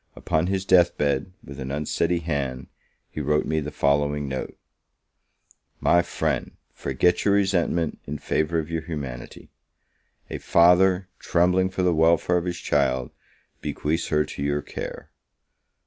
Upon his death bed, with an unsteady hand, he wrote me the following note: "My friend, forget your resentment, in favour of your humanity; a father, trembling for the welfare of his child, bequeaths her to your care.